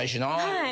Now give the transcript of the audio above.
はい。